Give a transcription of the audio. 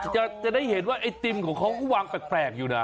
จะได้เห็นว่าไอติมของเขาก็วางแปลกอยู่นะ